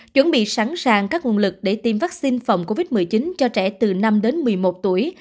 chuẩn bị sẵn sàng các nguồn lực để tiêm vaccine phòng covid một mươi chín cho trẻ từ năm đến một mươi một tuổi